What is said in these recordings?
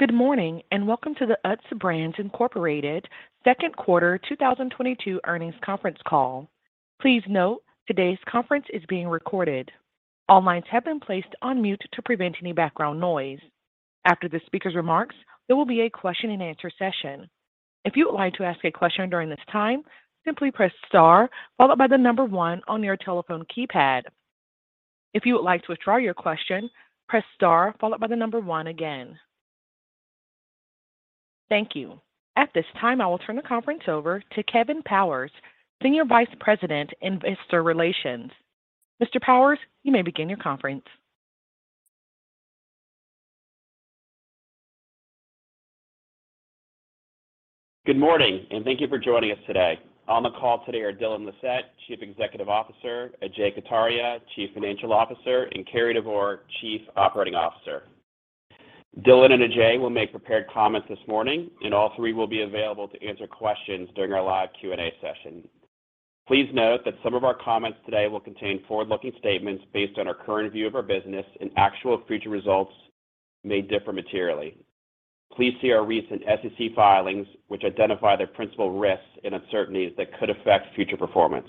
Good morning, and welcome to the Utz Brands, Inc. Q2 2022 earnings Conference Call. Please note today's conference is being recorded. All lines have been placed on mute to prevent any background noise. After the speaker's remarks, there will be a question-and-answer session. If you would like to ask a question during this time, simply press star followed by the number one on your telephone keypad. If you would like to withdraw your question, press star followed by the number one again. Thank you. At this time, I will turn the conference over to Kevin Powers, Senior Vice President, Investor Relations. Mr. Powers, you may begin your conference. Good morning, and thank you for joining us today. On the call today are Dylan Lissette, Chief Executive Officer, Ajay Kataria, Chief Financial Officer, and Cary Devore, Chief Operating Officer. Dylan and Ajay will make prepared comments this morning, and all three will be available to answer questions during our live Q&A session. Please note that some of our comments today will contain forward-looking statements based on our current view of our business and actual future results may differ materially. Please see our recent SEC filings, which identify the principal risks and uncertainties that could affect future performance.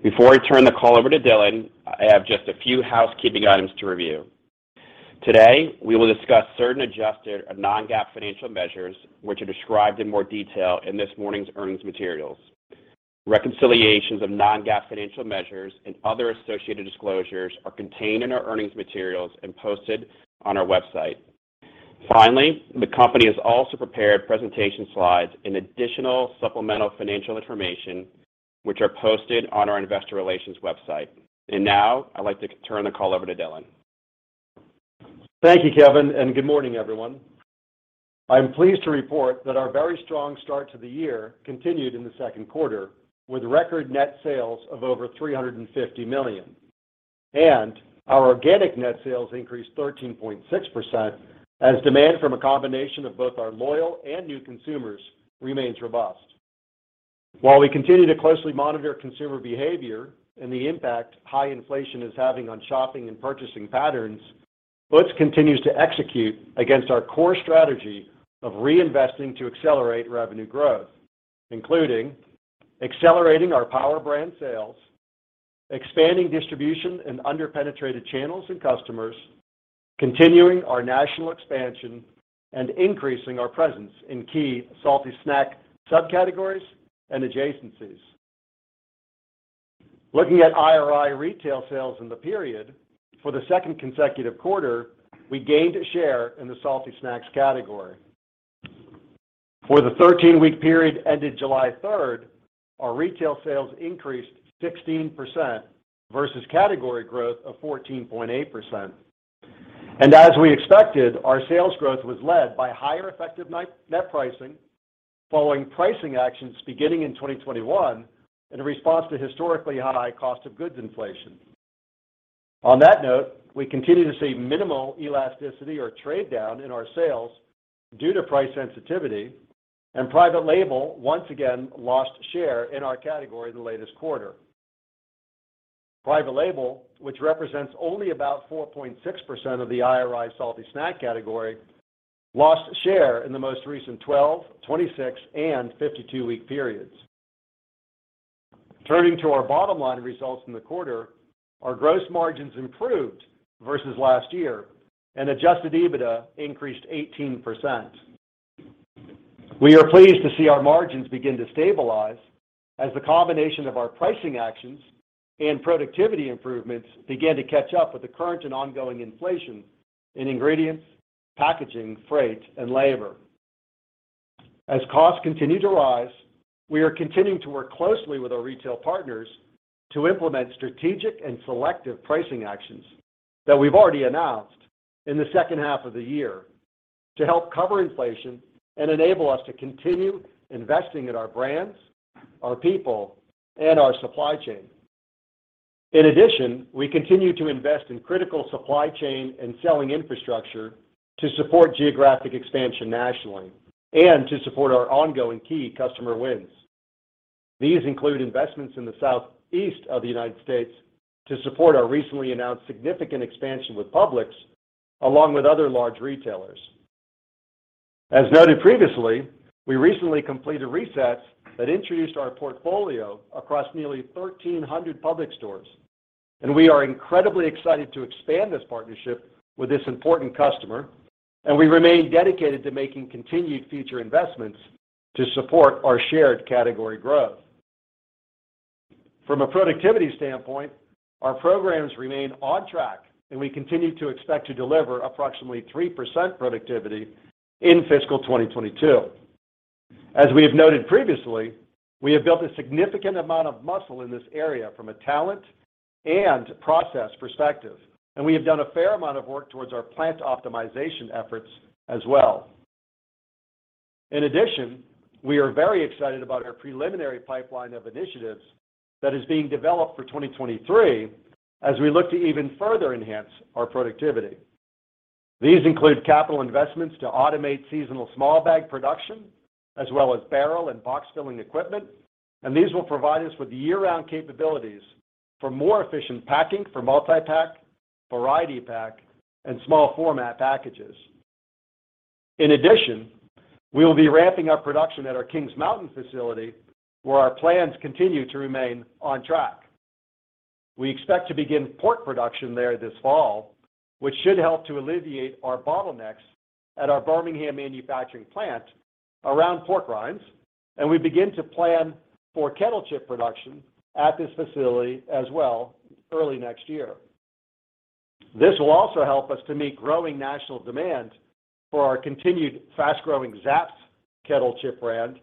Before I turn the call over to Dylan, I have just a few housekeeping items to review. Today, we will discuss certain adjusted and non-GAAP financial measures, which are described in more detail in this morning's earnings materials. Reconciliations of non-GAAP financial measures and other associated disclosures are contained in our earnings materials and posted on our website. Finally, the company has also prepared presentation slides and additional supplemental financial information, which are posted on our investor relations website. Now, I'd like to turn the call over to Dylan Lissette. Thank you, Kevin, and good morning, everyone. I'm pleased to report that our very strong start to the year continued in the Q2 with record net sales of over $350 million. Our organic net sales increased 13.6% as demand from a combination of both our loyal and new consumers remains robust. While we continue to closely monitor consumer behavior and the impact high-inflation is having on shopping and purchasing patterns, Utz continues to execute against our core strategy of reinvesting to accelerate revenue growth, including accelerating our Power Brand sales, expanding distribution in under-penetrated channels and customers, continuing our national expansion, and increasing our presence in key salty snack subcategories and adjacencies. Looking at IRI retail sales in the period, for the second consecutive quarter, we gained share in the salty snacks category. For the 13-week period ended July 3, our retail sales increased 16% versus category growth of 14.8%. As we expected, our sales growth was led by higher effective net pricing following pricing actions beginning in 2021 in response to historically high cost of goods inflation. On that note, we continue to see minimal elasticity or trade down in our sales due to price sensitivity, and private label once again lost share in our category in the latest quarter. Private label, which represents only about 4.6% of the IRI salty snack category, lost share in the most recent 12, 26, and 52-week periods. Turning to our bottom-line results in the quarter, our gross margins improved versus last-year, and adjusted EBITDA increased 18%. We are pleased to see our margins begin to stabilize as the combination of our pricing actions and productivity improvements begin to catch up with the current and ongoing inflation in ingredients, packaging, freight, and labor. As costs continue to rise, we are continuing to work closely with our retail partners to implement strategic and selective pricing actions that we've already announced in the second half of the year to help cover inflation and enable us to continue investing in our brands, our people, and our supply chain. In addition, we continue to invest in critical supply chain and selling infrastructure to support geographic expansion nationally and to support our ongoing key customer wins. These include investments in the Southeast of the United States to support our recently announced significant expansion with Publix, along with other large retailers. As noted previously, we recently completed resets that introduced our portfolio across nearly 1,300 Publix stores, and we are incredibly excited to expand this partnership with this important customer, and we remain dedicated to making continued future investments to support our shared category growth. From a productivity standpoint, our programs remain on track, and we continue to expect to deliver approximately 3% productivity in fiscal 2022. As we have noted previously, we have built a significant amount of muscle in this area from a talent and process perspective, and we have done a fair amount of work towards our plant optimization efforts as well. In addition, we are very excited about our preliminary pipeline of initiatives that is being developed for 2023 as we look to even further enhance our productivity. These include capital investments to automate seasonal small bag production. As well as barrel and box filling equipment, and these will provide us with year-round capabilities for more efficient packing for multi-pack, variety pack, and small format packages. In addition, we will be ramping up production at our Kings Mountain facility, where our plans continue to remain on track. We expect to begin pork production there this fall, which should help to alleviate our bottlenecks at our Birmingham manufacturing plant around pork rinds, and we begin to plan for kettle chip production at this facility as well early next year. This will also help us to meet growing national demand for our continued fast-growing Zapp's kettle chip brand,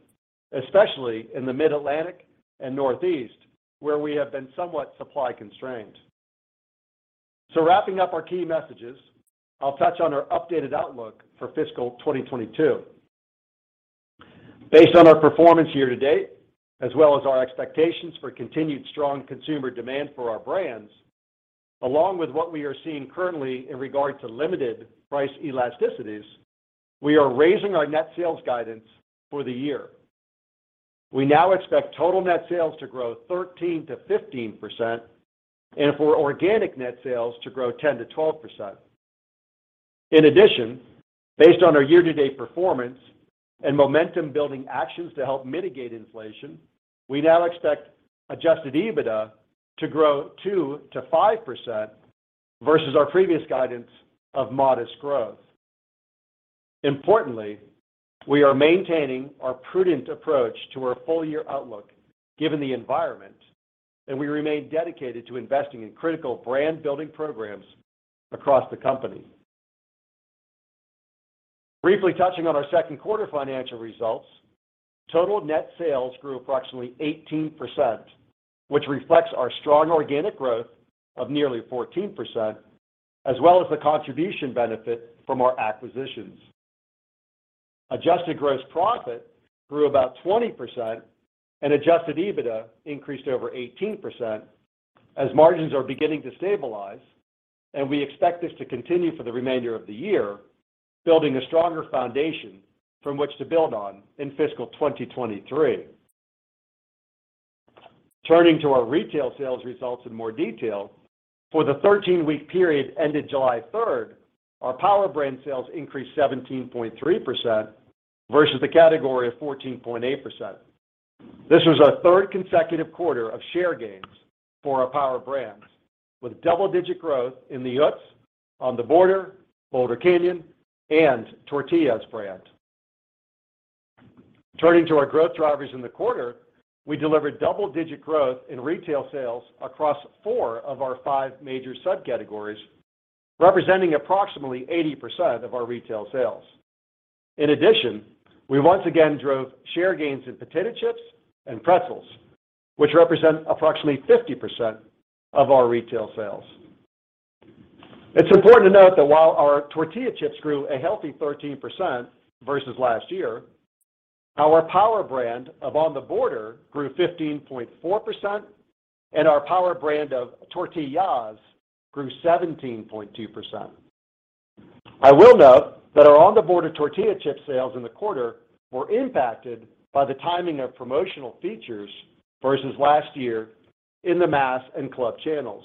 especially in the Mid-Atlantic and Northeast, where we have been somewhat supply constrained. Wrapping up our key messages, I'll touch on our updated outlook for fiscal 2022. Based on our performance year-to-date, as well as our expectations for continued strong consumer demand for our brands, along with what we are seeing currently in regard to limited price elasticities, we are raising our net sales guidance for the year. We now expect total net sales to grow 13%-15% and for organic net sales to grow 10%-12%. In addition, based on our year-to-date performance and momentum building actions to help mitigate inflation, we now expect adjusted EBITDA to grow 2%-5% versus our previous guidance of modest growth. Importantly, we are maintaining our prudent approach to our full-year outlook given the environment, and we remain dedicated to investing in critical brand building programs across the company. Briefly touching on our Q2 financial results, total net sales grew approximately 18%, which reflects our strong organic growth of nearly 14% as well as the contribution benefit from our acquisitions. Adjusted gross profit grew about 20% and adjusted EBITDA increased over 18% as margins are beginning to stabilize, and we expect this to continue for the remainder of the year, building a stronger foundation from which to build on in fiscal 2023. Turning to our retail sales results in more detail, for the 13-week period ended July third, our Power Brand sales increased 17.3% versus the category of 14.8%. This was our third consecutive quarter of share gains for our Power Brands, with double-digit growth in the Utz, On the Border, Boulder Canyon, and TORTIYAHS! brands. Turning to our growth drivers in the quarter, we delivered double-digit growth in retail sales across 4 of our 5 major subcategories, representing approximately 80% of our retail sales. In addition, we once again drove share gains in potato chips and pretzels, which represent approximately 50% of our retail sales. It's important to note that while our tortilla chips grew a healthy 13% versus last-year, our Power Brand of On the Border grew 15.4% and our Power Brand of TORTIYAHS! grew 17.2%. I will note that our On the Border tortilla chip sales in the quarter were impacted by the timing of promotional features versus last-year in the mass and club channels.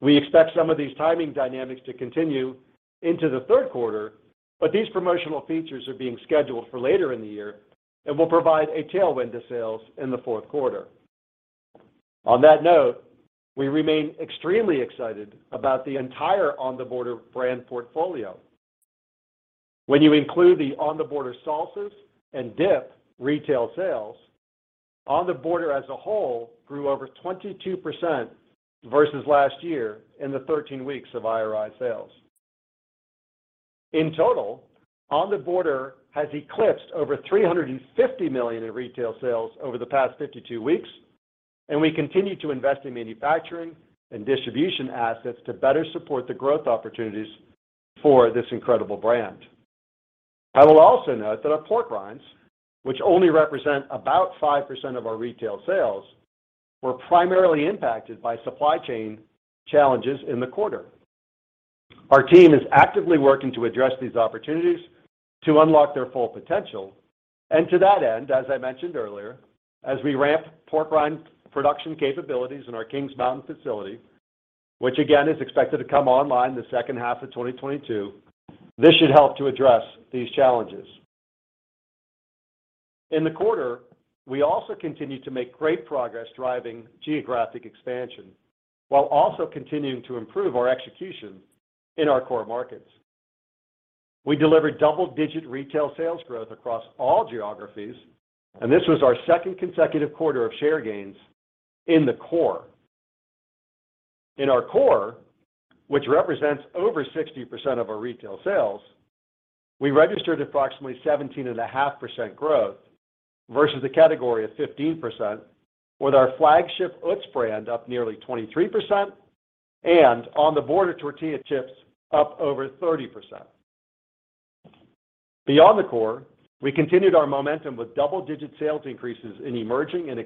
We expect some of these timing dynamics to continue into the Q3, but these promotional features are being scheduled for later in the year and will provide a tailwind to sales in the Q4. On that note, we remain extremely excited about the entire On the Border brand portfolio. When you include the On the Border salsas and dip retail sales, On the Border as a whole grew over 22% versus last-year in the 13 weeks of IRI sales. In total, On the Border has eclipsed over $350 million in retail sales over the past 52 weeks, and we continue to invest in manufacturing and distribution assets to better support the growth opportunities for this incredible brand. I will also note that our pork rinds, which only represent about 5% of our retail sales, were primarily impacted by supply chain challenges in the quarter. Our team is actively working to address these opportunities to unlock their full potential. To that end, as I mentioned earlier, as we ramp pork rind production capabilities in our Kings Mountain facility, which again is expected to come online the second half of 2022, this should help to address these challenges. In the quarter, we also continued to make great progress driving geographic expansion while also continuing to improve our execution in our core markets. We delivered double-digit retail sales growth across all geographies, and this was our second consecutive quarter of share gains in the core. In our core, which represents over 60% of our retail sales, we registered approximately 17.5% growth versus a category of 15% with our flagship Utz brand up nearly 23% and On the Border tortilla chips up over 30%. Beyond the core, we continued our momentum with double-digit sales increases in emerging and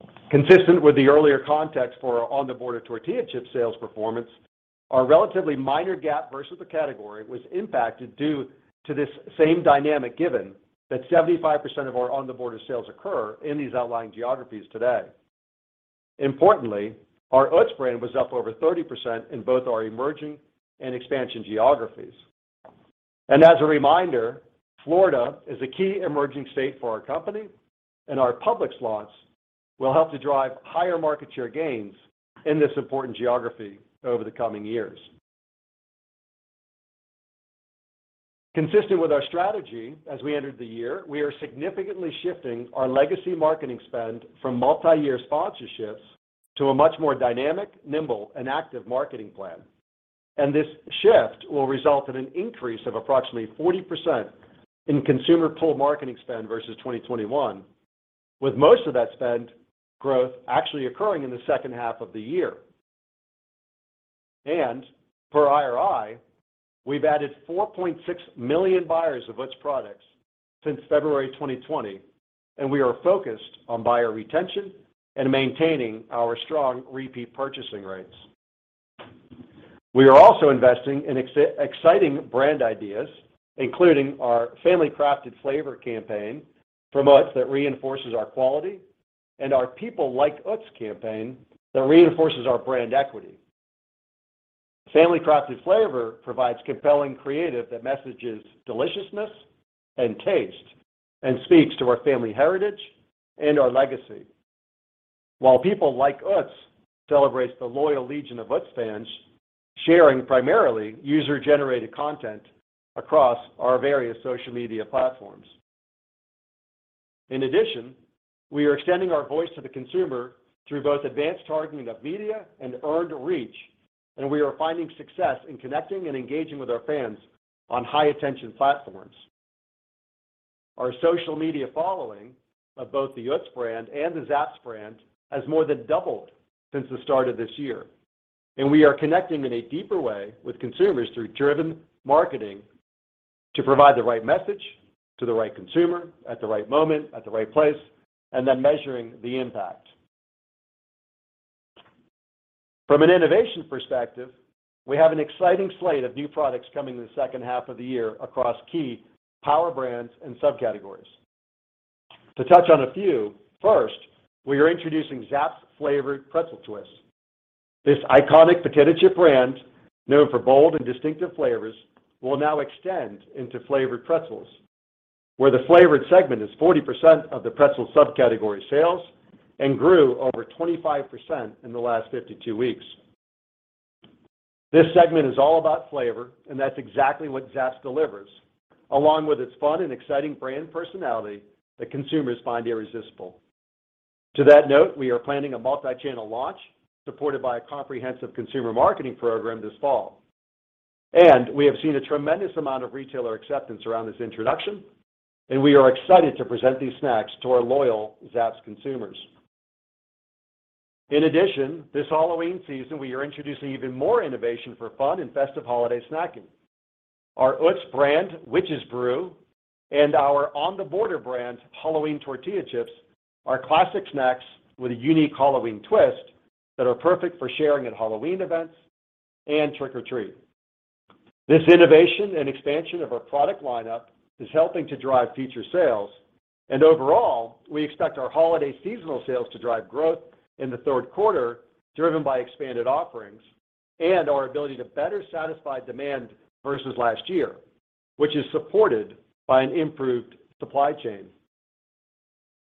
expansion. Consistent with the earlier context for our On the Border tortilla chip sales performance, our relatively minor gap versus the category was impacted due to this same dynamic, given that 75% of our On the Border sales occur in these outlying geographies today. Importantly, our Utz brand was up over 30% in both our emerging and expansion geographies. As a reminder, Florida is a key emerging state for our company, and our Publix launch will help to drive higher market share gains in this important geography over the coming years. Consistent with our strategy as we entered the year, we are significantly shifting our legacy marketing spend from multi-year sponsorships to a much more dynamic, nimble and active marketing plan. This shift will result in an increase of approximately 40% in consumer pull marketing spend versus 2021, with most of that spend growth actually occurring in the second half of the year. Per IRI, we've added 4.6 million buyers of Utz products since February 2020, and we are focused on buyer retention and maintaining our strong repeat purchasing rates. We are also investing in exciting brand ideas, including our Family Crafted Flavor campaign from Utz that reinforces our quality and our People Like Utz campaign that reinforces our brand equity. Family Crafted Flavor provides compelling creative that messages deliciousness and taste, and speaks to our family heritage and our legacy, while People Like Utz celebrates the loyal legion of Utz fans, sharing primarily user-generated content across our various social media platforms. In addition, we are extending our voice to the consumer through both advanced targeting of media and earned reach, and we are finding success in connecting and engaging with our fans on high-attention platforms. Our social media following of both the Utz brand and the Zapp's brand has more than doubled since the start of this year, and we are connecting in a deeper way with consumers through data-driven marketing to provide the right message to the right consumer at the right moment, at the right place, and then measuring the impact. From an innovation perspective, we have an exciting slate of new products coming in the second half of the year across key Power Brands and subcategories. To touch on a few, first, we are introducing Zapp's flavored pretzel twists. This iconic potato chip brand, known for bold and distinctive flavors, will now extend into flavored pretzels, where the flavored segment is 40% of the pretzel subcategory sales and grew over 25% in the last 52 weeks. This segment is all about flavor, and that's exactly what Zapp's delivers, along with its fun and exciting brand personality that consumers find irresistible. To that note, we are planning a multi-channel launch supported by a comprehensive consumer marketing program this fall. We have seen a tremendous amount of retailer acceptance around this introduction, and we are excited to present these snacks to our loyal Zapp's consumers. In addition, this Halloween season, we are introducing even more innovation for fun and festive holiday snacking. Our Utz brand Witch's Brew and our On the Border brand Halloween tortilla chips are classic snacks with a unique Halloween twist that are perfect for sharing at Halloween events and trick-or-treat. This innovation and expansion of our product lineup is helping to drive future sales. Overall, we expect our holiday seasonal sales to drive growth in the Q3, driven by expanded offerings and our ability to better satisfy demand versus last-year, which is supported by an improved supply chain.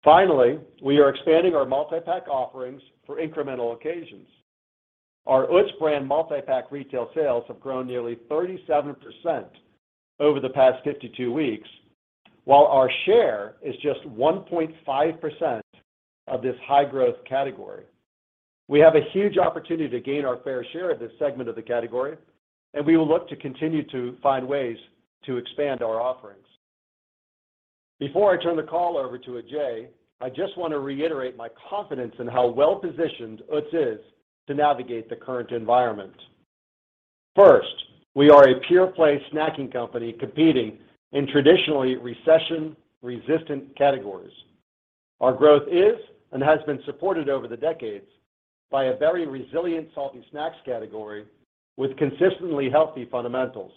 Finally, we are expanding our multi-pack offerings for incremental occasions. Our Utz brand multi-pack retail sales have grown nearly 37% over the past 52 weeks, while our share is just 1.5% of this high-growth category. We have a huge opportunity to gain our fair share of this segment of the category, and we will look to continue to find ways to expand our offerings. Before I turn the call over to Ajay, I just want to reiterate my confidence in how well-positioned Utz is to navigate the current environment. First, we are a pure-play snacking company competing in traditionally recession-resistant categories. Our growth is and has been supported over the decades by a very resilient salty snacks category with consistently healthy fundamentals.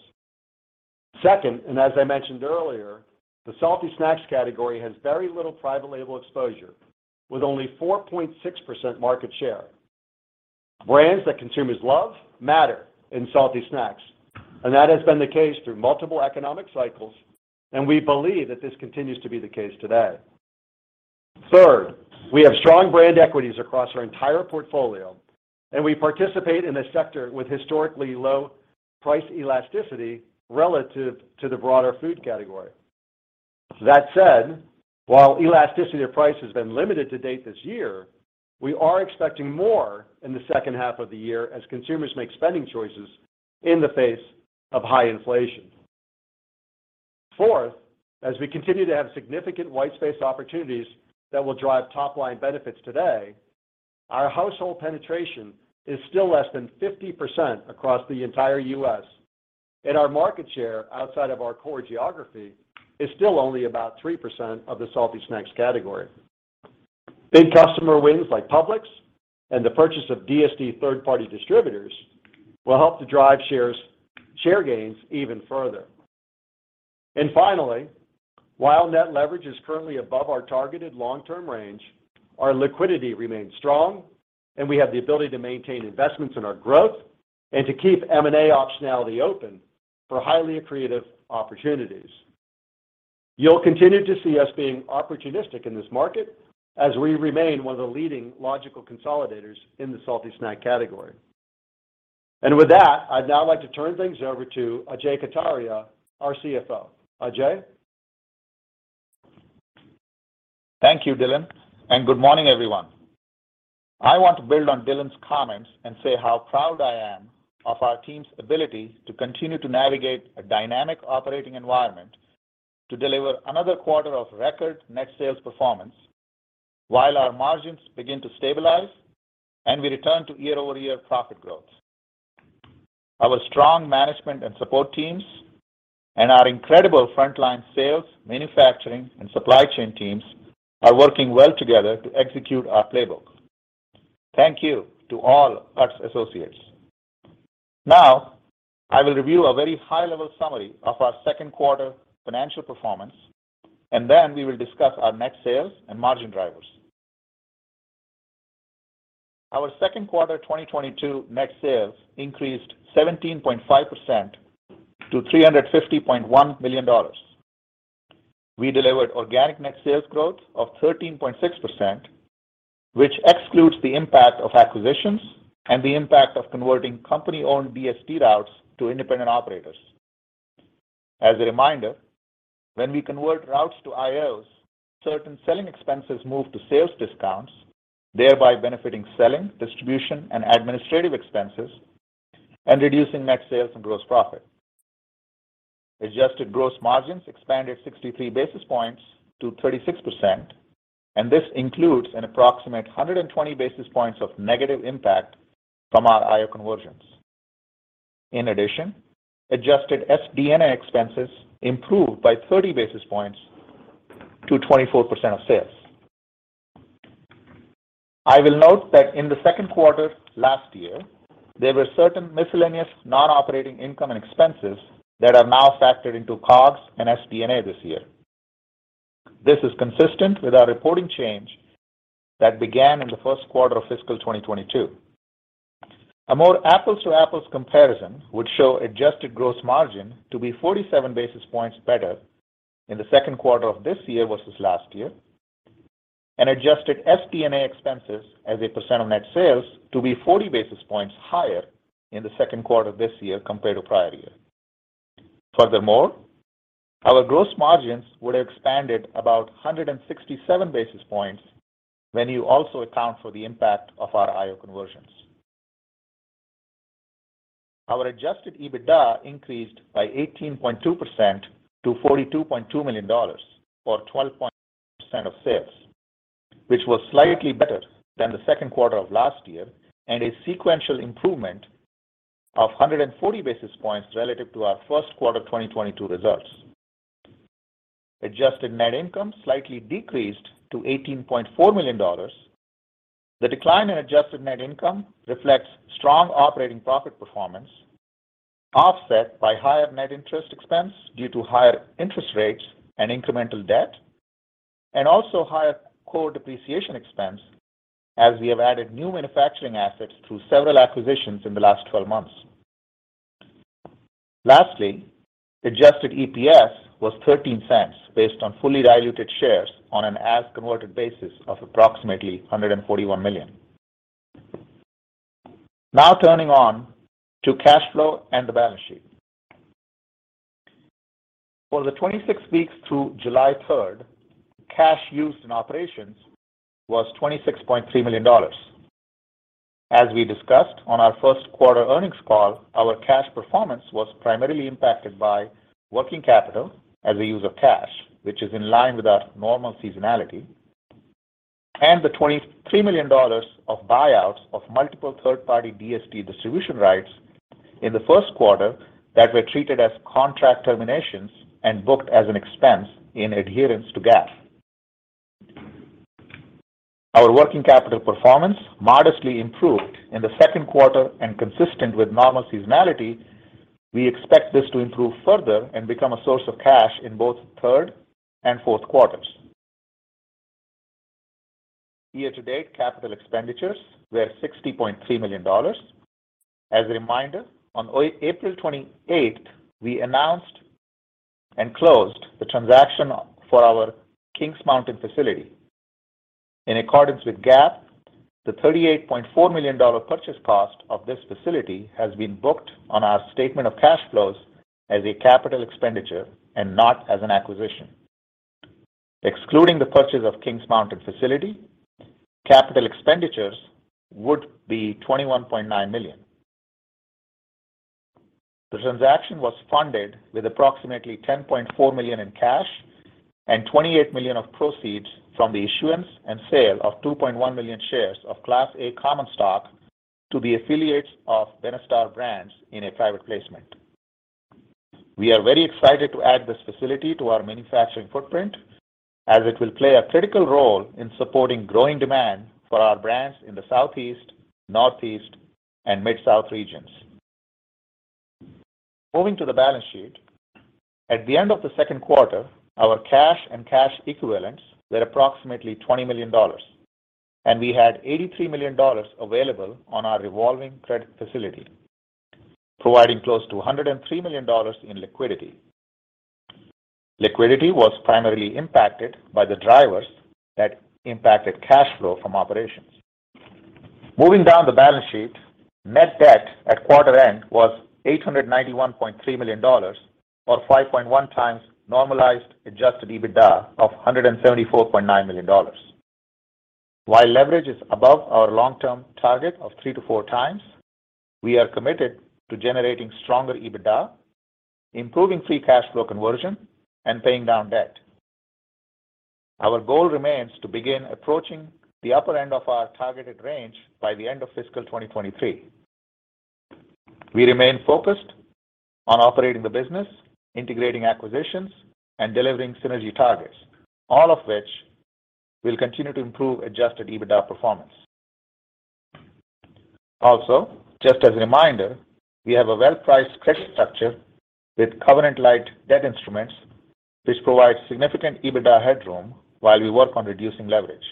Second, and as I mentioned earlier, the salty snacks category has very little private label exposure with only 4.6% market share. Brands that consumers love matter in salty snacks, and that has been the case through multiple economic cycles, and we believe that this continues to be the case today. Third, we have strong brand equities across our entire portfolio, and we participate in a sector with historically low price elasticity relative to the broader food category. That said, while elasticity of price has been limited to date this year, we are expecting more in the second half of the year as consumers make spending choices in the face of high-inflation. Fourth, as we continue to have significant white space opportunities that will drive top-line benefits today, our household penetration is still less than 50% across the entire U.S. Our market share outside of our core geography is still only about 3% of the salty snacks category. Big customer wins like Publix and the purchase of DSD third-party distributors will help to drive share gains even further. Finally, while net leverage is currently above our targeted long-term range, our liquidity remains strong, and we have the ability to maintain investments in our growth and to keep M&A optionality open for highly accretive opportunities. You'll continue to see us being opportunistic in this market as we remain one of the leading logical consolidators in the salty snack category. With that, I'd now like to turn things over to Ajay Kataria, our CFO. Ajay? Thank you, Dylan, and good morning, everyone. I want to build on Dylan's comments and say how proud I am of our team's ability to continue to navigate a dynamic operating environment to deliver another quarter of record net sales performance while our margins begin to stabilize and we return to year-over-year profit growth. Our strong management and support teams and our incredible frontline sales, manufacturing, and supply chain teams are working well together to execute our playbook. Thank you to all Utz associates. Now, I will review a very high-level summary of our Q2 financial performance, and then we will discuss our net sales and margin drivers. Our Q2 2022 net sales increased 17.5% to $350.1 million. We delivered organic net sales growth of 13.6%, which excludes the impact of acquisitions and the impact of converting company-owned DSD routes to independent operators. As a reminder, when we convert routes to IOs, certain selling expenses move to sales discounts, thereby benefiting selling, distribution, and administrative expenses and reducing net sales and gross profit. Adjusted gross margins expanded 63 basis points to 36%, and this includes an approximate 120 basis points of negative impact from our IO conversions. In addition, adjusted SD&A expenses improved by 30 basis points to 24% of sales. I will note that in the Q2 last-year, there were certain miscellaneous non-operating income and expenses that are now factored into COGS and SD&A this year. This is consistent with our reporting change that began in the Q1 of fiscal 2022. A more apples-to-apples comparison would show adjusted gross margin to be 47 basis points better in the Q2 of this year versus last-year, and adjusted SD&A expenses as a percent of net sales to be 40 basis points higher in the Q2 this year compared to prior year. Furthermore, our gross margins would have expanded about 167 basis points when you also account for the impact of our IO conversions. Our adjusted EBITDA increased by 18.2% to $42.2 million, or 12.0% of sales, which was slightly better than the Q2 of last-year and a sequential improvement of 140 basis points relative to our Q1 2022 results. Adjusted net income slightly decreased to $18.4 million. The decline in adjusted net income reflects strong operating profit performance, offset by higher net interest expense due to higher interest rates and incremental debt, and also higher core depreciation expense as we have added new manufacturing assets through several acquisitions in the last 12 months. Lastly, adjusted EPS was $0.13 based on fully diluted shares on an as-converted basis of approximately 141 million. Now turning to cash flow and the balance sheet. For the 26 weeks through July third, cash used in operations was $26.3 million. As we discussed on our Q1 earnings call, our cash performance was primarily impacted by working capital as a use of cash, which is in line with our normal seasonality, and the $23 million of buyouts of multiple third-party DSD distribution rights in the Q1 that were treated as contract terminations and booked as an expense in adherence to GAAP. Our working capital performance modestly improved in the Q2 and consistent with normal seasonality. We expect this to improve further and become a source of cash in both Q3 and Q4. Year-to-date, capital expenditures were $60.3 million. As a reminder, on April 28, we announced and closed the transaction for our Kings Mountain facility. In accordance with GAAP, the $38.4 million purchase cost of this facility has been booked on our statement of cash flows as a capital expenditure and not as an acquisition. Excluding the purchase of Kings Mountain facility, capital expenditures would be $21.9 million. The transaction was funded with approximately $10.4 million in cash and $28 million of proceeds from the issuance and sale of 2.1 million shares of Class A common stock to the affiliates of Benestar Brands in a private placement. We are very excited to add this facility to our manufacturing footprint as it will play a critical role in supporting growing demand for our brands in the Southeast, Northeast, and Mid-South regions. Moving to the balance sheet. At the end of the Q2, our cash and cash equivalents were approximately $20 million, and we had $83 million available on our revolving credit facility, providing close to $103 million in liquidity. Liquidity was primarily impacted by the drivers that impacted cash flow from operations. Moving down the balance sheet, net debt at quarter end was $891.3 million or 5.1x normalized adjusted EBITDA of $174.9 million. While leverage is above our long-term target of 3x-4x, we are committed to generating stronger EBITDA, improving free cash flow conversion, and paying down debt. Our goal remains to begin approaching the upper end of our targeted range by the end of fiscal 2023. We remain focused on operating the business, integrating acquisitions, and delivering synergy targets. All of which will continue to improve adjusted EBITDA performance. Also, just as a reminder, we have a well-priced credit structure with covenant light debt instruments, which provides significant EBITDA headroom while we work on reducing leverage.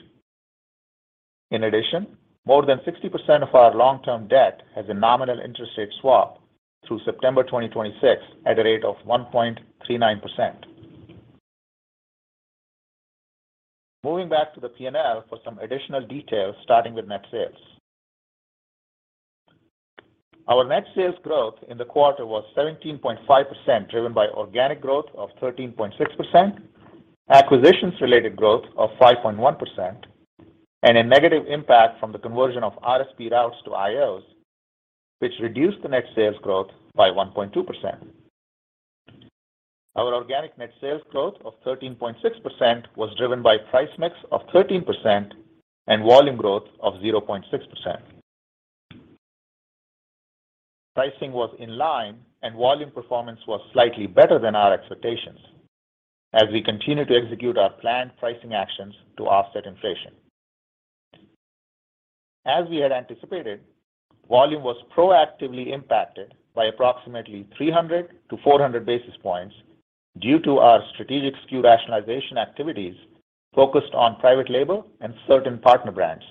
In addition, more than 60% of our long-term debt has a nominal interest rate swap through September 2026 at a rate of 1.39%. Moving back to the P&L for some additional details, starting with net sales. Our net sales growth in the quarter was 17.5%, driven by organic growth of 13.6%, acquisitions-related growth of 5.1%, and a negative impact from the conversion of RSP routes to IOs, which reduced the net sales growth by 1.2%. Our organic net sales growth of 13.6% was driven by price mix of 13% and volume growth of 0.6%. Pricing was in line and volume performance was slightly better than our expectations as we continue to execute our planned pricing actions to offset inflation. As we had anticipated, volume was proactively impacted by approximately 300-400 basis points due to our strategic SKU rationalization activities focused on private label and certain partner brands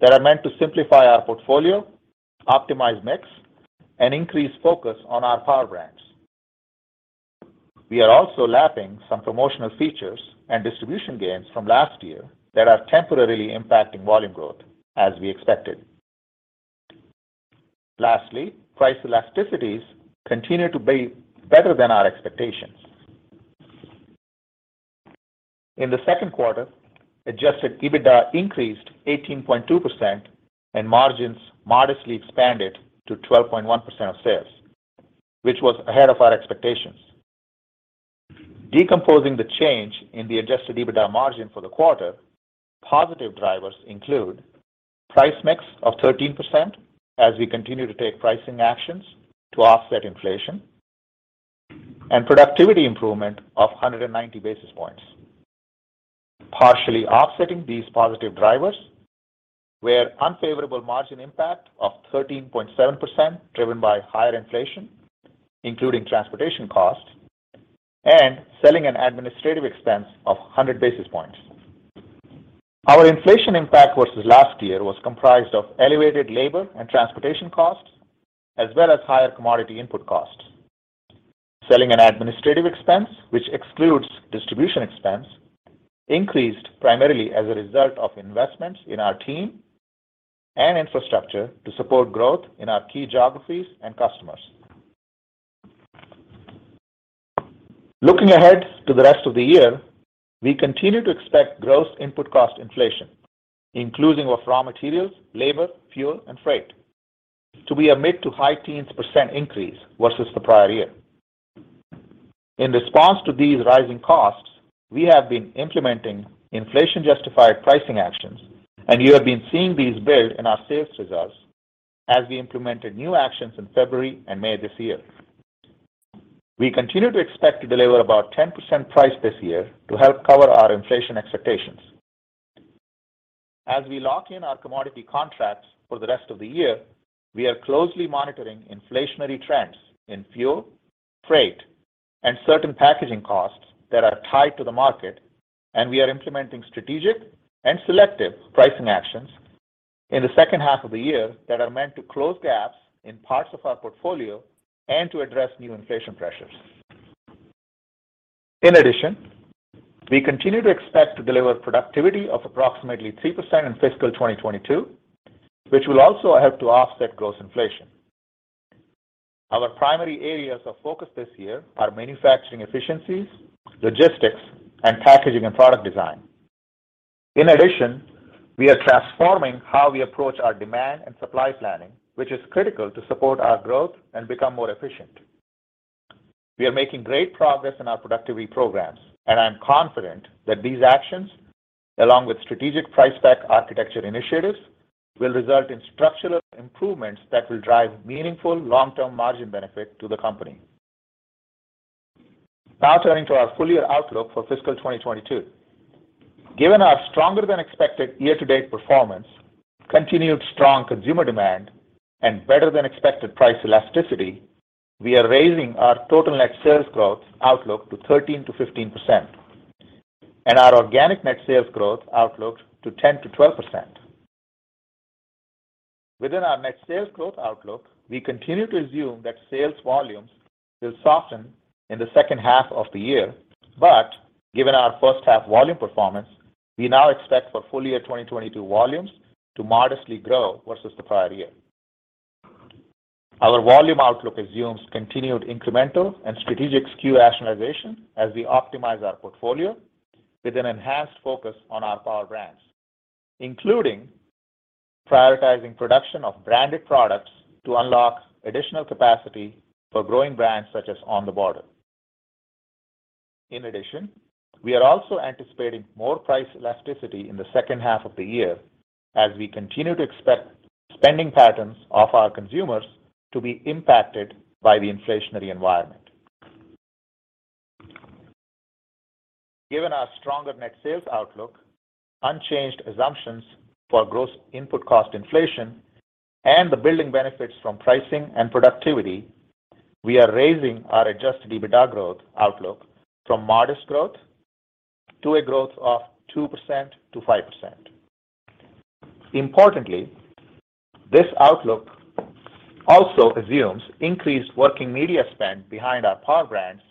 that are meant to simplify our portfolio, optimize mix, and increase focus on our Power Brands. We are also lapping some promotional features and distribution gains from last-year that are temporarily impacting volume growth as we expected. Lastly, price elasticities continue to be better than our expectations. In the Q2, adjusted EBITDA increased 18.2% and margins modestly expanded to 12.1% of sales, which was ahead of our expectations. Decomposing the change in the adjusted EBITDA margin for the quarter, positive drivers include price mix of 13% as we continue to take pricing actions to offset inflation and productivity improvement of 190 basis points. Partially offsetting these positive drivers were unfavorable margin impact of 13.7% driven by higher-inflation, including transportation costs and selling and administrative expense of 100 basis points. Our inflation impact versus last-year was comprised of elevated labor and transportation costs, as well as higher commodity input costs. Selling and administrative expense, which excludes distribution expense, increased primarily as a result of investments in our team and infrastructure to support growth in our key geographies and customers. Looking ahead to the rest of the year, we continue to expect gross input cost inflation, including raw materials, labor, fuel, and freight, to be a mid- to high-teens % increase versus the prior year. In response to these rising costs, we have been implementing inflation-justified pricing actions, and you have been seeing these build in our sales results as we implemented new actions in February and May this year. We continue to expect to deliver about 10% price this year to help cover our inflation expectations. As we lock in our commodity contracts for the rest of the year, we are closely monitoring inflationary trends in fuel, freight, and certain packaging costs that are tied to the market, and we are implementing strategic and selective pricing actions in the second half of the year that are meant to close gaps in parts of our portfolio and to address new inflation pressures. In addition, we continue to expect to deliver productivity of approximately 3% in fiscal 2022, which will also help to offset gross inflation. Our primary areas of focus this year are manufacturing efficiencies, logistics, and packaging and product design. In addition, we are transforming how we approach our demand and supply planning, which is critical to support our growth and become more efficient. We are making great progress in our productivity programs, and I am confident that these actions, along with strategic pricing and packaging initiatives, will result in structural improvements that will drive meaningful long-term margin benefit to the company. Now turning to our full-year outlook for fiscal 2022. Given our stronger than expected year-to-date performance, continued strong consumer demand, and better than expected price elasticity, we are raising our total net sales growth outlook to 13%-15% and our organic net sales growth outlook to 10%-12%. Within our net sales growth outlook, we continue to assume that sales volumes will soften in the second half of the year, but given our first half volume performance, we now expect for full-year 2022 volumes to modestly grow versus the prior year. Our volume outlook assumes continued incremental and strategic SKU rationalization as we optimize our portfolio with an enhanced focus on our Power Brands, including prioritizing production of branded products to unlock additional capacity for growing brands such as On the Border. In addition, we are also anticipating more price elasticity in the second half of the year as we continue to expect spending patterns of our consumers to be impacted by the inflationary environment. Given our stronger net sales outlook, unchanged assumptions for gross input cost inflation and the building benefits from pricing and productivity, we are raising our adjusted EBITDA growth outlook from modest growth to a growth of 2%-5%. Importantly, this outlook also assumes increased working media spend behind our Power Brands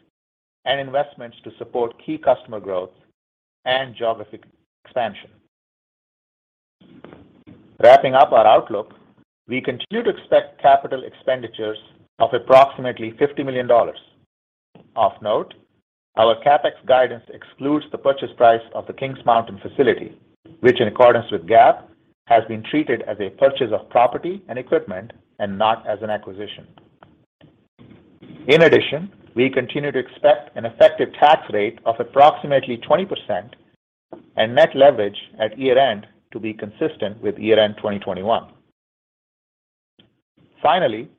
and investments to support key customer growth and geographic expansion. Wrapping up our outlook, we continue to expect capital expenditures of approximately $50 million. Of note, our CapEx guidance excludes the purchase price of the Kings Mountain facility, which in accordance with GAAP, has been treated as a purchase of property and equipment and not as an acquisition. In addition, we continue to expect an effective tax rate of approximately 20% and net leverage at year-end to be consistent with year-end 2021. Finally,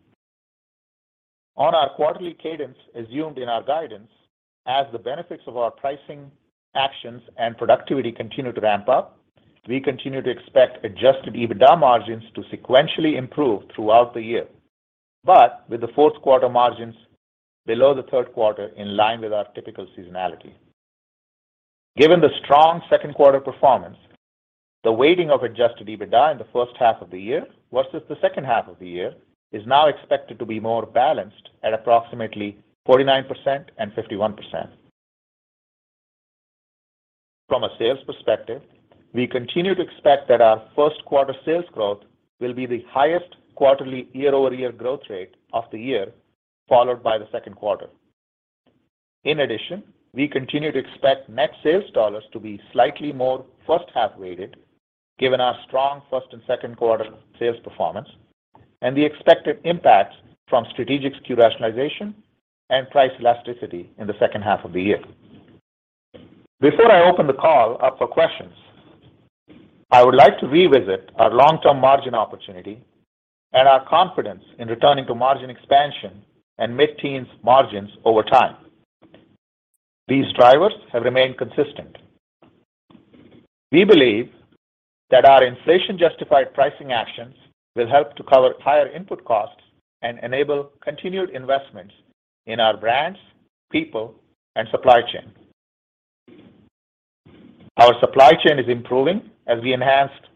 on our quarterly cadence assumed in our guidance, as the benefits of our pricing actions and productivity continue to ramp up, we continue to expect adjusted EBITDA margins to sequentially improve throughout the year, but with the Q4 margins below the Q3 in line with our typical seasonality. Given the strong Q2 performance, the weighting of adjusted EBITDA in the first half of the year versus the second half of the year is now expected to be more balanced at approximately 49% and 51%. From a sales perspective, we continue to expect that our Q1 sales growth will be the highest quarterly year-over-year growth rate of the year, followed by the Q2. In addition, we continue to expect net sales dollars to be slightly more first half weighted given our strong first and Q2 sales performance and the expected impact from strategic SKU rationalization and price elasticity in the second half of the year. Before I open the call up for questions, I would like to revisit our long-term margin opportunity and our confidence in returning to margin expansion and mid-teens margins over time. These drivers have remained consistent. We believe that our inflation justified pricing actions will help to cover higher input costs and enable continued investments in our brands, people, and supply chain. Our supply chain is improving as we enhanced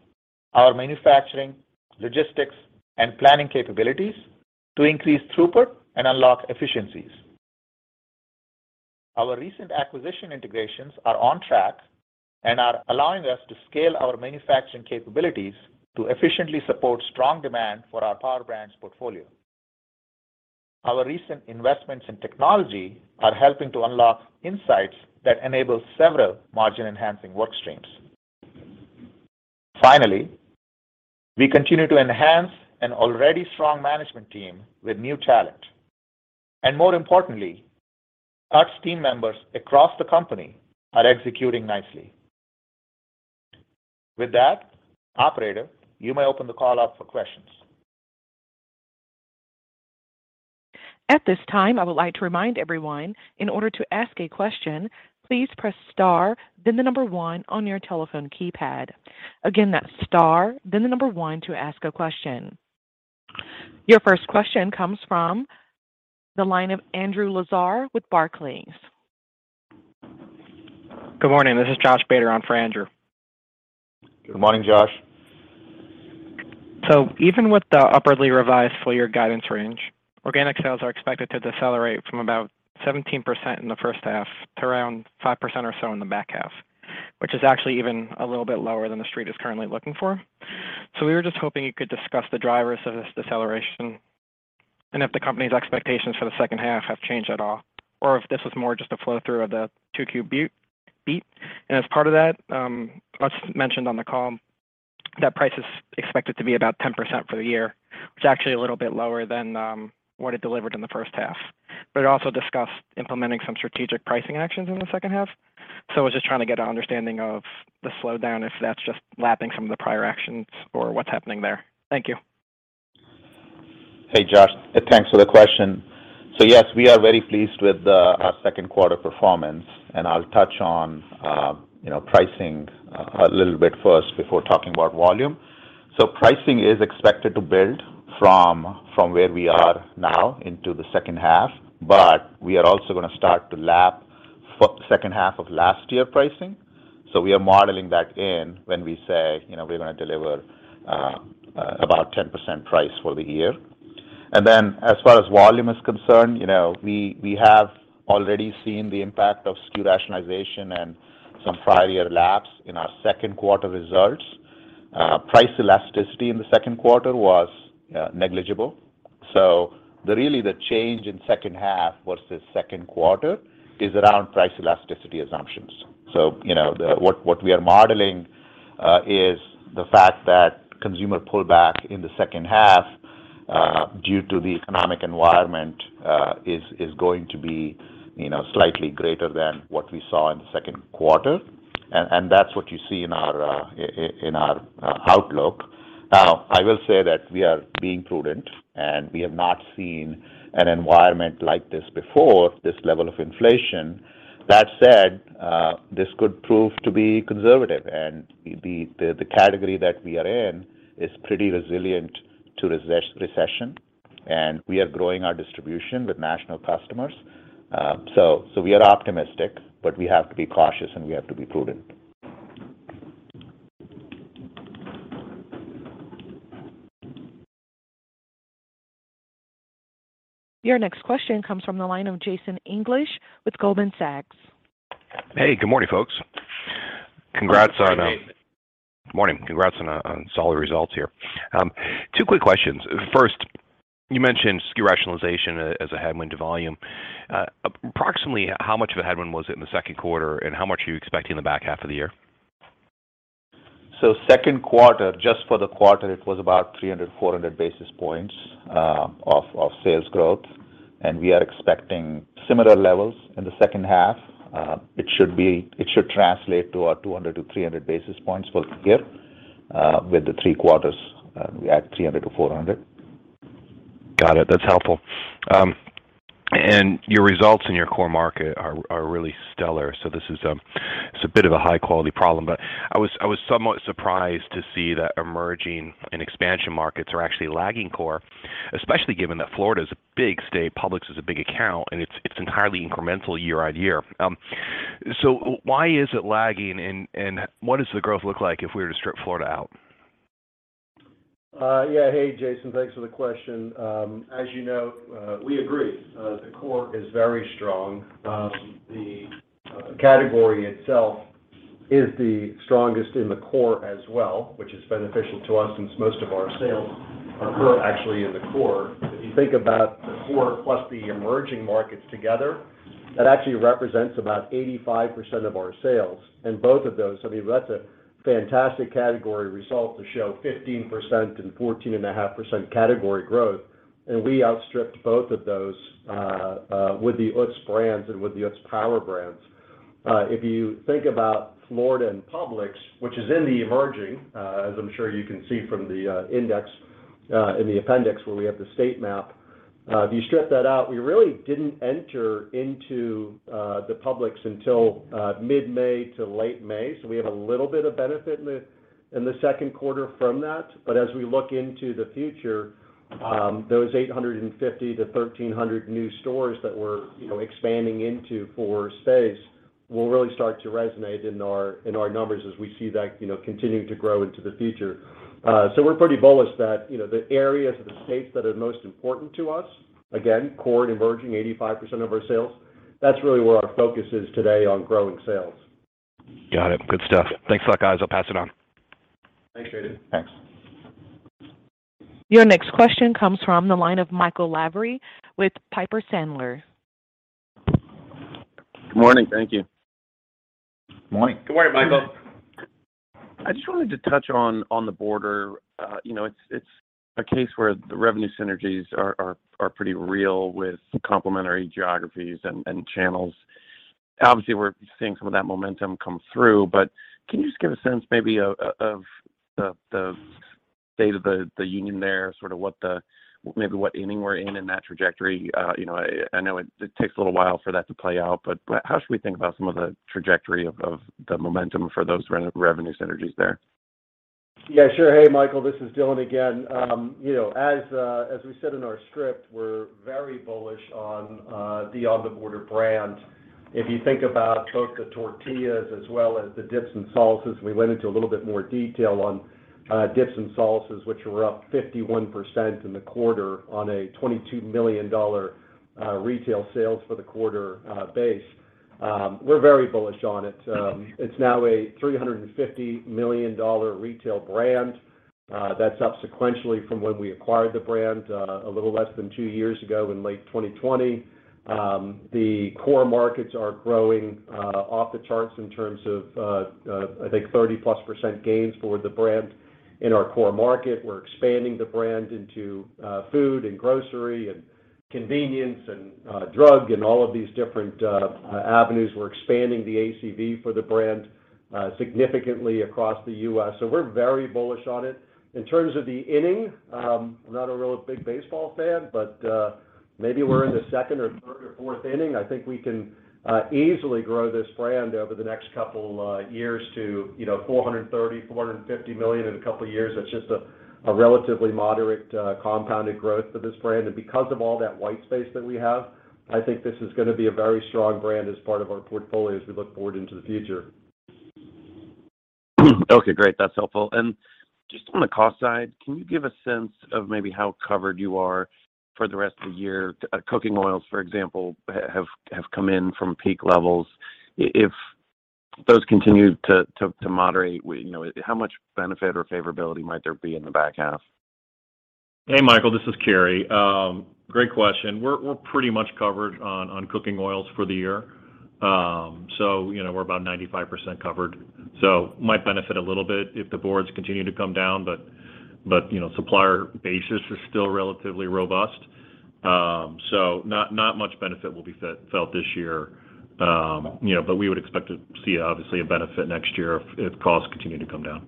our manufacturing, logistics, and planning capabilities to increase throughput and unlock efficiencies. Our recent acquisition integrations are on track and are allowing us to scale our manufacturing capabilities to efficiently support strong demand for our Power Brands portfolio. Our recent investments in technology are helping to unlock insights that enable several margin enhancing work streams. Finally, we continue to enhance an already strong management team with new talent. More importantly, our team members across the company are executing nicely. With that, operator, you may open the call up for questions. At this time, I would like to remind everyone in order to ask a question, please press star, then the number one on your telephone keypad. Again, that's star, then the number one to ask a question. Your first question comes from the line of Andrew Lazar with Barclays. Good morning. This is Josh Badzin on for Andrew. Good morning, Josh. Even with the upwardly revised full-year guidance range, organic sales are expected to decelerate from about 17% in the first half to around 5% or so in the back half, which is actually even a little bit lower than the Street is currently looking for. We were just hoping you could discuss the drivers of this deceleration. If the company's expectations for the second half have changed at all, or if this was more just a flow-through of the Q2 beat. As part of that, what's mentioned on the call, that price is expected to be about 10% for the year. It's actually a little bit lower than what it delivered in the first half. It also discussed implementing some strategic pricing actions in the second half. I was just trying to get an understanding of the slowdown, if that's just lapping some of the prior actions or what's happening there. Thank you. Hey, Josh, thanks for the question. Yes, we are very pleased with our Q2 performance, and I'll touch on you know, pricing a little bit first before talking about volume. Pricing is expected to build from where we are now into the second half, but we are also gonna start to lap second half of last-year pricing. We are modeling that in when we say, you know, we're gonna deliver about 10% price for the year. Then as far as volume is concerned, you know, we have already seen the impact of SKU rationalization and some prior year lapping in our Q2 results. Price elasticity in the Q2 was negligible. Really the change in second half versus Q2 is around price elasticity assumptions. You know, what we are modeling is the fact that consumer pullback in the second half due to the economic environment is going to be you know, slightly greater than what we saw in the Q2. That's what you see in our outlook. I will say that we are being prudent and we have not seen an environment like this before, this level of inflation. That said, this could prove to be conservative and the category that we are in is pretty resilient to recession, and we are growing our distribution with national customers. We are optimistic, but we have to be cautious and we have to be prudent. Your next question comes from the line of Jason English with Goldman Sachs. Hey, good morning, folks. Good morning. Congrats on solid results here. Two quick questions. First, you mentioned SKU rationalization as a headwind to volume. Approximately how much of a headwind was it in the Q2, and how much are you expecting in the back half of the year? Q2, just for the quarter, it was about 300-400 basis points of sales growth, and we are expecting similar levels in the second half. It should translate to 200-300 basis points for the year, with the three quarters we add 300-400. Got it. That's helpful. Your results in your core market are really stellar. This is a bit of a high-quality problem, but I was somewhat surprised to see that emerging and expansion markets are actually lagging core, especially given that Florida is a big state, Publix is a big account, and it's entirely incremental year-on-year. Why is it lagging and what does the growth look like if we were to strip Florida out? Yeah. Hey, Jason, thanks for the question. As you know, we agree, the core is very strong. The category itself is the strongest in the core as well, which is beneficial to us since most of our sales occur actually in the core. If you think about the core plus the emerging markets together, that actually represents about 85% of our sales and both of those. I mean, that's a fantastic category result to show 15% and 14.5% category growth. We outstripped both of those with the Utz brands and with the Utz Power Brands. If you think about Florida and Publix, which is in the emerging, as I'm sure you can see from the index, in the appendix where we have the state map, if you strip that out, we really didn't enter into the Publix until mid-May to late May. We have a little bit of benefit in the Q2 from that. As we look into the future, those 850-1,300 new stores that we're, you know, expanding into for space will really start to resonate in our numbers as we see that, you know, continuing to grow into the future. We're pretty bullish that, you know, the areas of the states that are most important to us, again, core and emerging, 85% of our sales, that's really where our focus is today on growing sales. Got it. Good stuff. Thanks a lot, guys. I'll pass it on. Thanks, Jason. Thanks. Your next question comes from the line of Michael Lavery with Piper Sandler. Good morning. Thank you. Morning. Good morning, Michael. I just wanted to touch on On the Border. You know, it's a case where the revenue synergies are pretty real with complementary geographies and channels. Obviously, we're seeing some of that momentum come through, but can you just give a sense maybe of the state of the union there, sort of what inning we're in in that trajectory? You know, I know it takes a little while for that to play out, but how should we think about some of the trajectory of the momentum for those revenue synergies there? Yeah, sure. Hey, Michael, this is Dylan again. You know, as we said in our script, we're very bullish on the On the Border brand. If you think about both the tortillas as well as the dips and salsas, we went into a little bit more detail on dips and salsas, which were up 51% in the quarter on a $22 million retail sales for the quarter base. We're very bullish on it. It's now a $350 million retail brand. That's up sequentially from when we acquired the brand a little less than two years ago in late 2020. The core markets are growing off the charts in terms of I think 30%+ gains for the brand in our core market. We're expanding the brand into food and grocery and convenience and drug and all of these different avenues. We're expanding the ACV for the brand significantly across the U.S. We're very bullish on it. In terms of the inning, I'm not a real big baseball fan, but maybe we're in the second or third or fourth inning. I think we can easily grow this brand over the next couple years to, you know, $430 million-$450 million in a couple of years. That's just a relatively moderate compounded growth for this brand. Because of all that white space that we have, I think this is gonna be a very strong brand as part of our portfolio as we look forward into the future. Okay, great. That's helpful. Just on the cost side, can you give a sense of maybe how covered you are for the rest of the year? Cooking oils, for example, have come in from peak levels. If those continue to moderate, you know, how much benefit or favorability might there be in the back half? Hey, Michael Lavery, this is Cary Devore. Great question. We're pretty much covered on cooking oils for the year. You know, we're about 95% covered. Might benefit a little bit if the boards continue to come down, but you know, supplier basis is still relatively robust. Not much benefit will be felt this year. You know, we would expect to see obviously a benefit next year if costs continue to come down.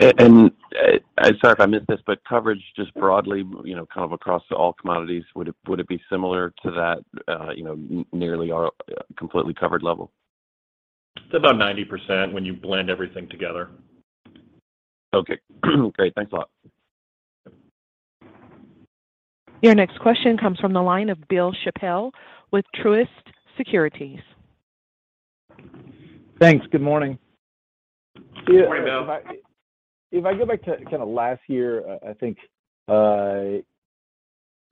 Sorry if I missed this, but coverage just broadly, you know, kind of across all commodities, would it be similar to that, you know, nearly or completely covered level? It's about 90% when you blend everything together. Okay. Great. Thanks a lot. Your next question comes from the line of Bill Chappell with Truist Securities. Thanks. Good morning. Good morning, Bill. If I go back to kinda last-year, I think on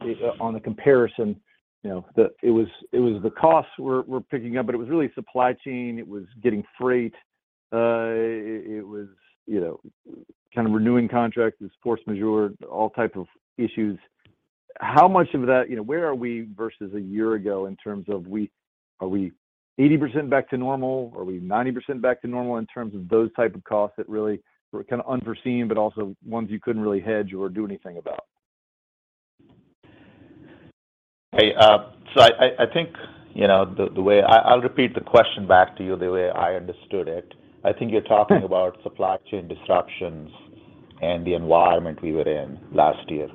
the comparison, you know, it was the costs were picking up, but it was really supply chain, it was getting freight, it was you know, kind of renewing contracts, this force majeure, all type of issues. How much of that, you know, where are we versus a year ago in terms of are we 80% back to normal? Are we 90% back to normal in terms of those type of costs that really were kind of unforeseen, but also ones you couldn't really hedge or do anything about? Hey, I think, you know, the way I'll repeat the question back to you the way I understood it. I think you're talking about supply chain disruptions and the environment we were in last-year.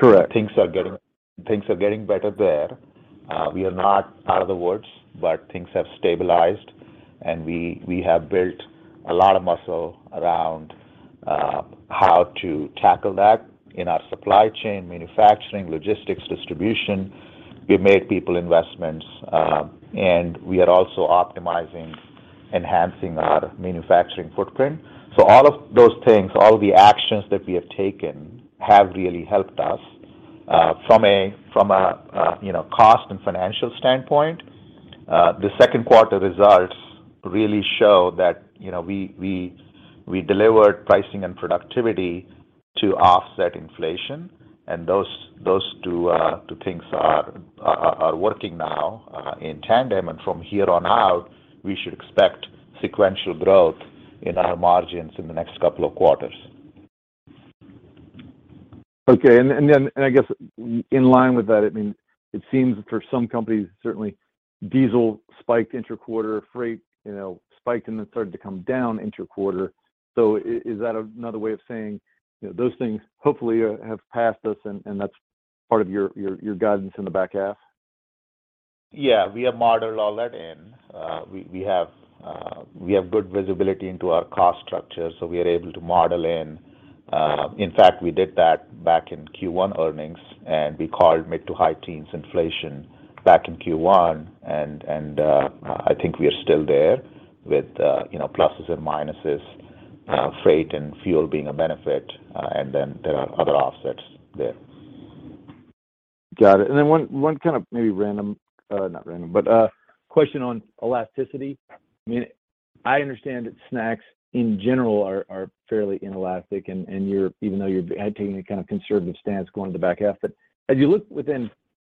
Correct Things are getting better there. We are not out of the woods, but things have stabilized, and we have built a lot of muscle around how to tackle that in our supply chain, manufacturing, logistics, distribution. We've made people investments, and we are also optimizing, enhancing our manufacturing footprint. So all of those things, all the actions that we have taken have really helped us from a you know, cost and financial standpoint. The Q2 results really show that, you know, we delivered pricing and productivity to offset inflation, and those two things are working now in tandem. From here on out, we should expect sequential growth in our margins in the next couple of quarters. Okay. I guess in line with that, I mean, it seems for some companies, certainly diesel spiked inter-quarter, freight, you know, spiked and then started to come down inter-quarter. Is that another way of saying, you know, those things hopefully have passed us and that's part of your guidance in the back half? Yeah. We have modeled all that in. We have good visibility into our cost structure, so we are able to model in. In fact, we did that back in Q1 earnings, and we called mid- to high-teens inflation back in Q1. I think we are still there with, you know, pluses and minuses, freight and fuel being a benefit, and then there are other offsets there. Got it. Then one kind of maybe random, not random, but question on elasticity. I mean, I understand that snacks in general are fairly inelastic, and even though you're taking a kind of conservative stance going to the back half. As you look within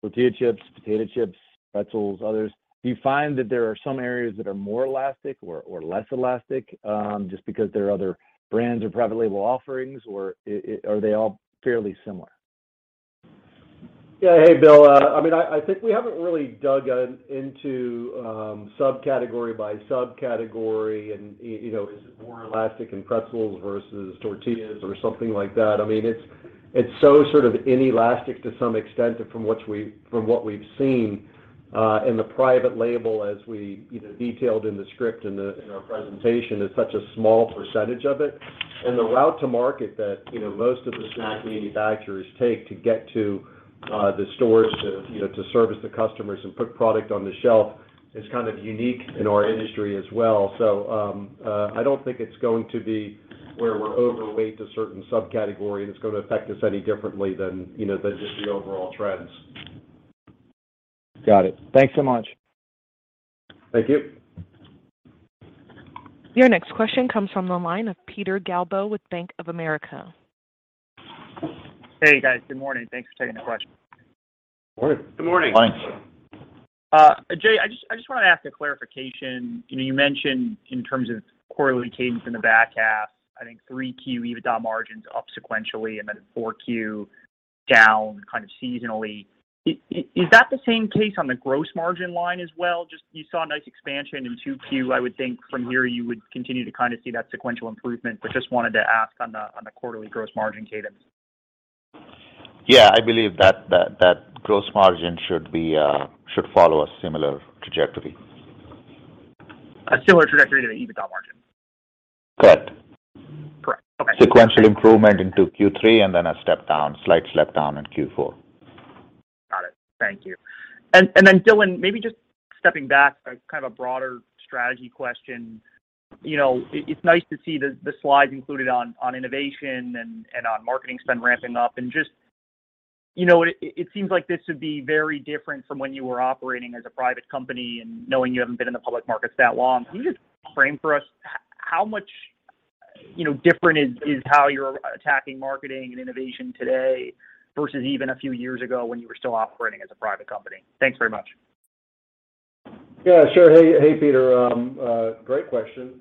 tortilla chips, potato chips, pretzels, others, do you find that there are some areas that are more elastic or less elastic, just because there are other brands or private label offerings, or are they all fairly similar? Yeah. Hey, Bill. I mean, I think we haven't really dug into subcategory by subcategory and you know, is it more elastic in pretzels versus tortillas or something like that. I mean, it's so sort of inelastic to some extent from what we've seen. The private label, as we you know, detailed in the script in our presentation, is such a small percentage of it. The route to market that you know, most of the snack manufacturers take to get to the stores to you know, to service the customers and put product on the shelf is kind of unique in our industry as well. I don't think it's going to be where we're overweight to certain subcategory, and it's gonna affect us any differently than you know, than just the overall trends. Got it. Thanks so much. Thank you. Your next question comes from the line of Peter Galbo with Bank of America. Hey, guys. Good morning. Thanks for taking the question. Good morning. Good morning. Morning. Ajay, I just wanna ask a clarification. You know, you mentioned in terms of quarterly cadence in the back half, I think 3Q EBITDA margins up sequentially, and then at 4Q, down kind of seasonally. Is that the same case on the gross margin line as well? Just you saw a nice expansion in 2Q. I would think from here you would continue to kind of see that sequential improvement, but just wanted to ask on the quarterly gross margin cadence. Yeah. I believe that gross margin should follow a similar trajectory. A similar trajectory to the EBITDA margin? Correct. Correct. Okay. Sequential improvement into Q3, and then a step down, slight step down in Q4. Got it. Thank you. Then Dylan, maybe just stepping back by kind of a broader strategy question. You know, it's nice to see the slides included on innovation and on marketing spend ramping up. Just, you know, it seems like this would be very different from when you were operating as a private company and knowing you haven't been in the public markets that long. Can you just frame for us how much, you know, different is how you're attacking marketing and innovation today versus even a few years ago when you were still operating as a private company? Thanks very much. Yeah, sure. Hey, Peter. Great question.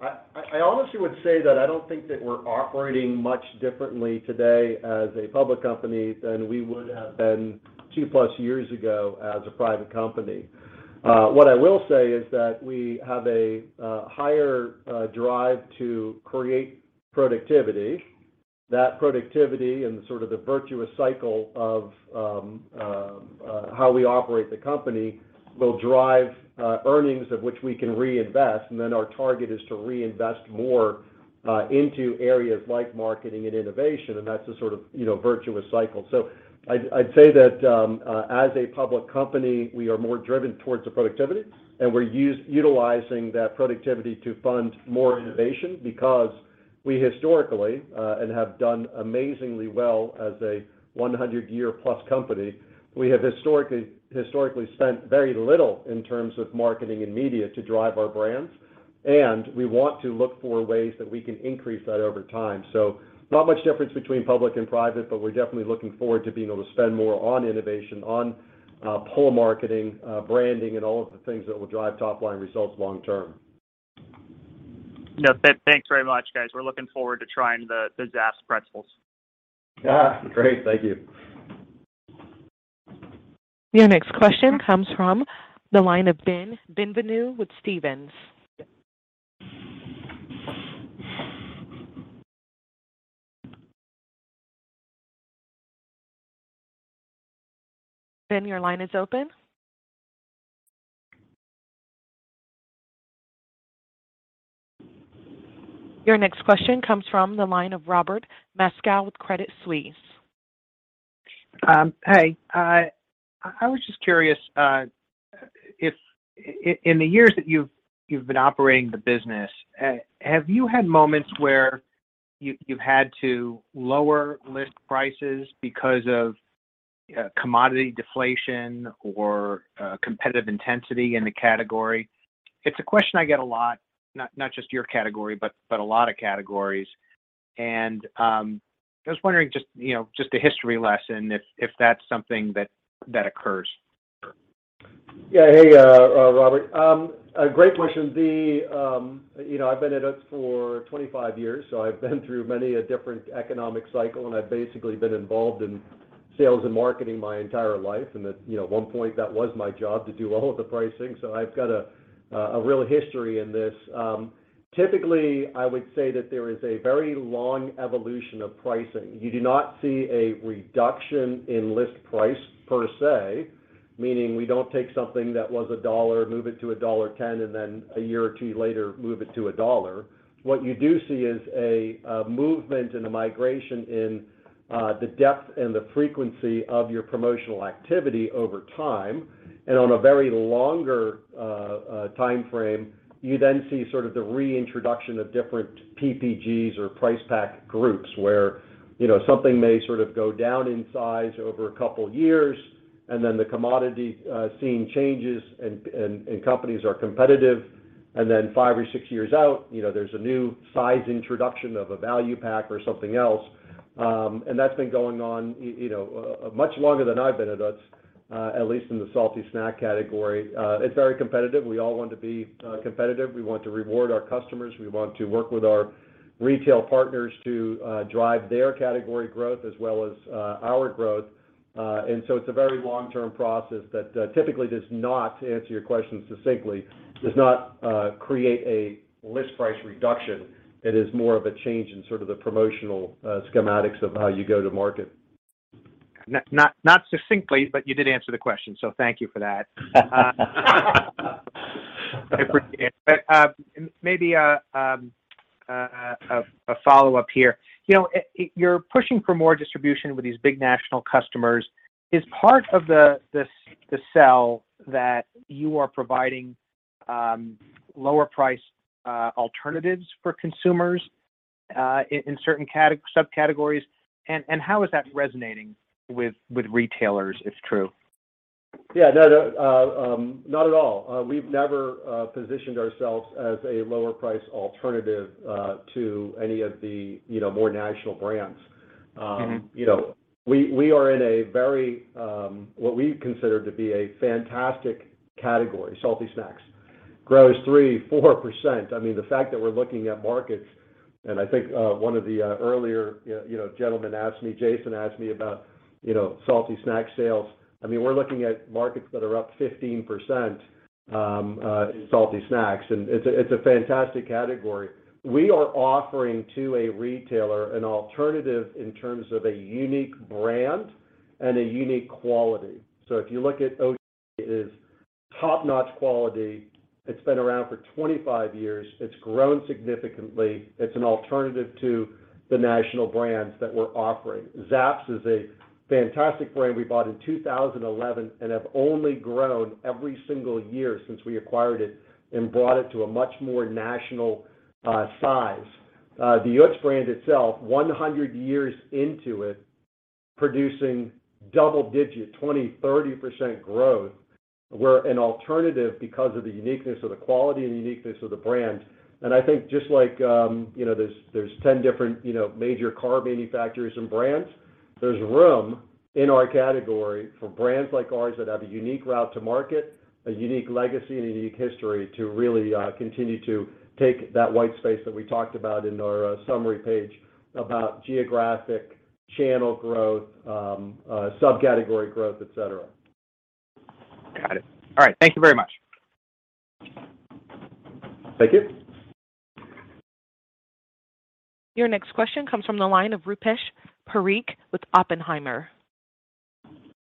I honestly would say that I don't think that we're operating much differently today as a public company than we would have been two-plus years ago as a private company. What I will say is that we have a higher drive to create productivity. That productivity and sort of the virtuous cycle of how we operate the company will drive earnings at which we can reinvest, and then our target is to reinvest more into areas like marketing and innovation, and that's the sort of, you know, virtuous cycle. I'd say that as a public company, we are more driven towards the productivity, and we're utilizing that productivity to fund more innovation because we historically and have done amazingly well as a 100-year plus company. We have historically spent very little in terms of marketing and media to drive our brands, and we want to look for ways that we can increase that over time. Not much difference between public and private, but we're definitely looking forward to being able to spend more on innovation, on pull marketing, branding, and all of the things that will drive top-line results long-term. No, thanks very much, guys. We're looking forward to trying the Zapp's pretzels. Yeah. Great. Thank you. Your next question comes from the line of Ben Bienvenu with Stephens Inc. Ben, your line is open. Your next question comes from the line of Robert Moskow with Credit Suisse. Hey. I was just curious, if in the years that you've been operating the business, have you had moments where you've had to lower list prices because of commodity deflation or competitive intensity in the category? It's a question I get a lot, not just your category, but a lot of categories. I was wondering just, you know, just a history lesson if that's something that occurs. Yeah. Hey, Robert. A great question. You know, I've been at this for 25 years, so I've been through many a different economic cycle, and I've basically been involved in sales and marketing my entire life. At one point that was my job to do all of the pricing. So I've got a real history in this. Typically, I would say that there is a very long evolution of pricing. You do not see a reduction in list price per se, meaning we don't take something that was $1, move it to $1.10, and then a year or two later, move it to $1. What you do see is a movement and a migration in the depth and the frequency of your promotional activity over time. On a very long timeframe, you then see sort of the reintroduction of different PPGs or price pack groups where, you know, something may sort of go down in size over a couple of years. Then the commodities seeing changes and companies are competitive. Then five or six years out, you know, there's a new size introduction of a value pack or something else. That's been going on, you know, much longer than I've been at Utz, at least in the salty snack category. It's very competitive. We all want to be competitive. We want to reward our customers. We want to work with our retail partners to drive their category growth as well as our growth. It's a very long-term process that typically does not, to answer your question succinctly, create a list price reduction. It is more of a change in sort of the promotional schematics of how you go to market. Not succinctly, but you did answer the question, so thank you for that. I appreciate it. A follow-up here. You know, you're pushing for more distribution with these big national customers. Is part of the sell that you are providing lower price alternatives for consumers in certain subcategories? How is that resonating with retailers, if true? Yeah, no, not at all. We've never positioned ourselves as a lower price alternative to any of the, you know, more national brands. Mm-hmm You know, we are in a very, what we consider to be a fantastic category, salty snacks. Grows 3-4%. I mean, the fact that we're looking at markets. I think one of the earlier, you know, gentlemen asked me, Jason asked me about, you know, salty snack sales. I mean, we're looking at markets that are up 15% in salty snacks, and it's a fantastic category. We are offering to a retailer an alternative in terms of a unique brand and a unique quality. So if you look at its top-notch quality. It's been around for 25 years. It's grown significantly. It's an alternative to the national brands that we're offering. Zapp's is a fantastic brand we bought in 2011, and have only grown every single-year since we acquired it and brought it to a much more national size. The Utz brand itself, 100 years into it, producing double-digit 20%-30% growth. We're an alternative because of the uniqueness or the quality and uniqueness of the brand. I think just like, you know, there's 10 different, you know, major car manufacturers and brands, there's room in our category for brands like ours that have a unique route to market, a unique legacy, and a unique history to really continue to take that white space that we talked about in our summary page about geographic channel growth, subcategory growth, et cetera. Got it. All right. Thank you very much. Thank you. Your next question comes from the line of Rupesh Parikh with Oppenheimer.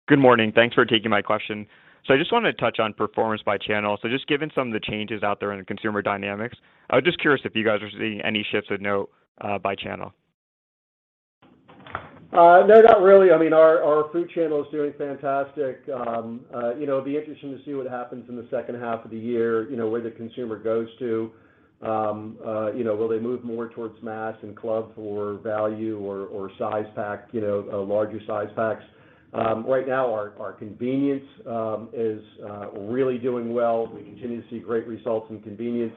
Good morning. Thanks for taking my question. I just wanted to touch on performance by channel. Just given some of the changes out there in the consumer dynamics, I was just curious if you guys are seeing any shifts of note by channel? No, not really. I mean, our food channel is doing fantastic. You know, it'll be interesting to see what happens in the second half of the year, you know, where the consumer goes to. You know, will they move more towards mass and club for value or size pack, you know, larger size packs? Right now our convenience is really doing well. We continue to see great results in convenience.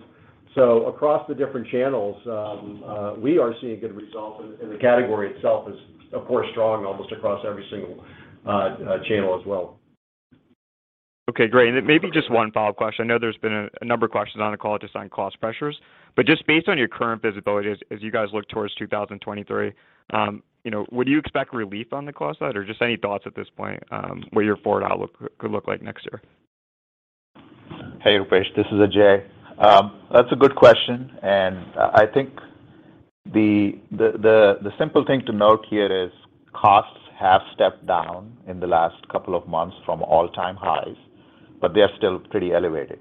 Across the different channels, we are seeing good results and the category itself is, of course, strong almost across every single channel as well. Okay, great. Maybe just one follow-up question. I know there's been a number of questions on the call just on cost pressures. Just based on your current visibility as you guys look towards 2023, you know, would you expect relief on the cost side? Or just any thoughts at this point, what your forward outlook could look like next year? Hey, Rupesh, this is Ajay. That's a good question, and I think the simple thing to note here is costs have stepped down in the last couple of months from all-time highs, but they are still pretty elevated.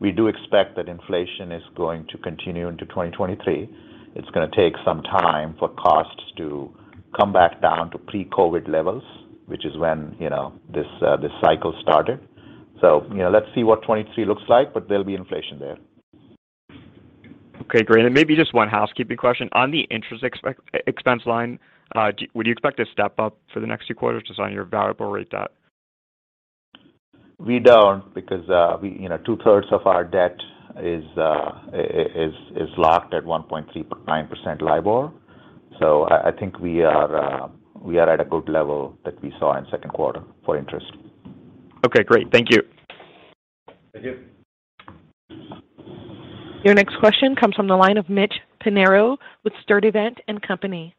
We do expect that inflation is going to continue into 2023. It's gonna take some time for costs to come back down to pre-COVID levels, which is when, you know, this cycle started. You know, let's see what 2023 looks like, but there'll be inflation there. Okay, great. Maybe just one housekeeping question. On the interest expense line, would you expect a step up for the next few quarters just on your variable rate debt? We don't, because you know, two-thirds of our debt is locked at 1.39% LIBOR. I think we are at a good level that we saw in Q2 for interest. Okay, great. Thank you. Thank you. Your next question comes from the line of Mitchell Pinheiro with Sturdivant & Company.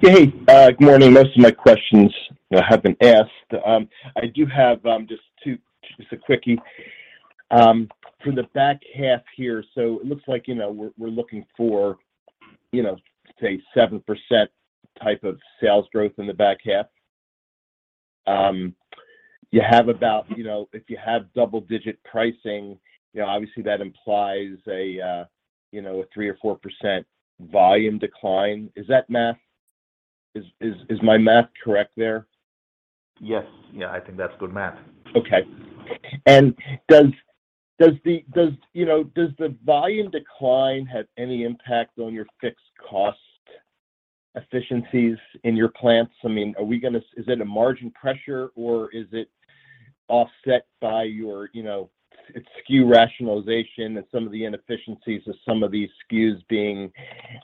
Hey, good morning. Most of my questions, you know, have been asked. I do have just two, just a quickie. For the back half here, it looks like, you know, we're looking for, you know, say, 7% type of sales growth in the back half. You have about, you know, if you have double-digit pricing, you know, obviously that implies a, you know, 3%-4% volume decline. Is my math correct there? Yes. Yeah, I think that's good math. Okay. Does the volume decline have any impact on your fixed cost efficiencies in your plants? You know, I mean, is it a margin pressure, or is it offset by your, you know, SKU rationalization and some of the inefficiencies of some of these SKUs being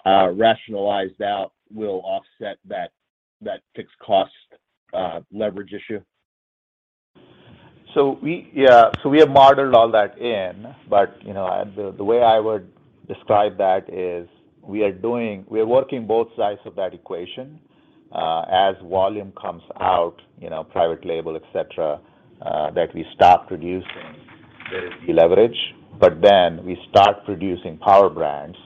rationalized out will offset that fixed cost leverage issue? We have modeled all that in. You know, the way I would describe that is we are working both sides of that equation. As volume comes out, you know, private label, et cetera, that we stop producing, there is deleverage. We start producing Power Brands.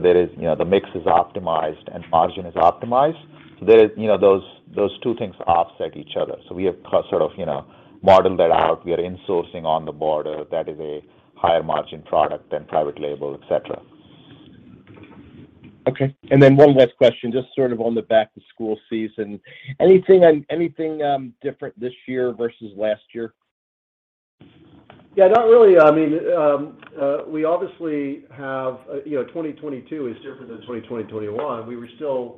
There is, you know, the mix is optimized and margin is optimized. There is, you know, those two things offset each other. We have sort of, you know, modeled that out. We are insourcing On the Border that is a higher-margin product than private label, et cetera. Okay. One last question, just sort of on the back-to-school season. Anything different this year versus last-year? Yeah, not really. I mean, we obviously have, you know, 2022 is different than 2021. We were still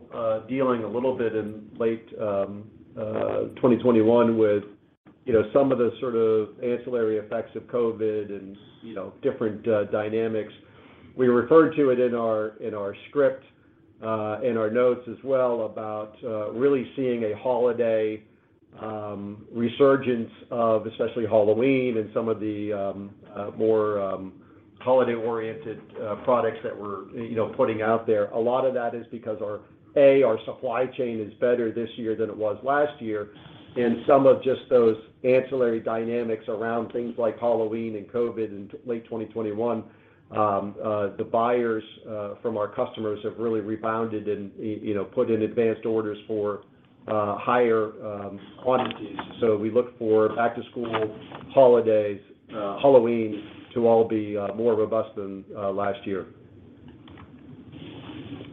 dealing a little bit in late 2021 with, you know, some of the sort of ancillary effects of COVID and, you know, different dynamics. We referred to it in our script, in our notes as well about really seeing a holiday resurgence of especially Halloween and some of the more holiday-oriented products that we're, you know, putting out there. A lot of that is because our supply chain is better this year than it was last-year. Some of just those ancillary dynamics around things like Halloween and COVID in late 2021, the buyers from our customers have really rebounded and, you know, put in advanced orders for higher quantities. We look for back to school, holidays, Halloween to all be more robust than last-year.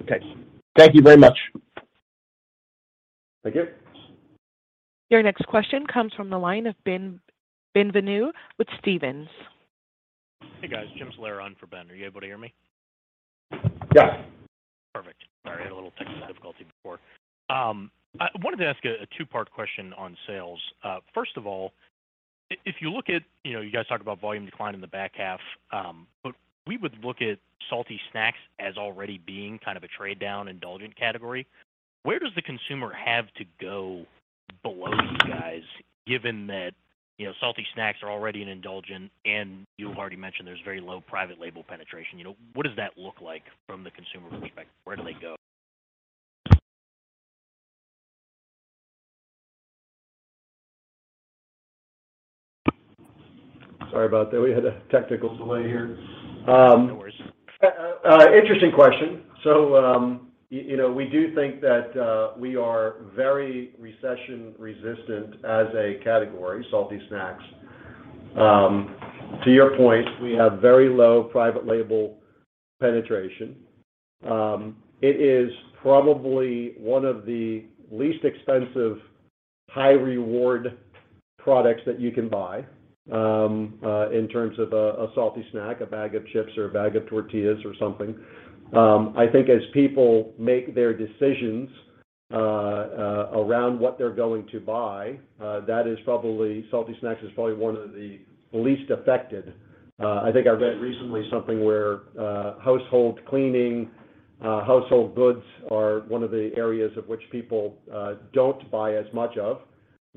Okay. Thank you very much. Thank you. Your next question comes from the line of Ben Bienvenu with Stephens. Hey, guys. Jim Salera on for Ben. Are you able to hear me? Yes. Perfect. Sorry, I had a little technical difficulty before. I wanted to ask a two-part question on sales. First of all, if you look at, you know, you guys talk about volume decline in the back half, but we would look at salty snacks as already being kind of a trade down indulgent category. Where does the consumer have to go below you guys, given that, you know, salty snacks are already an indulgent, and you've already mentioned there's very low private label penetration. You know, what does that look like from the consumer perspective? Where do they go? Sorry about that. We had a technical delay here. No worries. Interesting question. You know, we do think that we are very recession-resistant as a category, salty snacks. To your point, we have very low private-label penetration. It is probably one of the least expensive high-reward products that you can buy in terms of a salty snack, a bag of chips or a bag of tortillas or something. I think as people make their decisions around what they're going to buy, salty snacks is probably one of the least affected. I think I read recently something where household cleaning, household goods are one of the areas of which people don't buy as much of